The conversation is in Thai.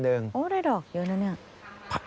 ได้ดอกเยอะแล้วนี่